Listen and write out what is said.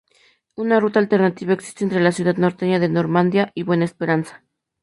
Una ruta alternativa existe entre la ciudad norteña de Normandia y Buena Esperanza.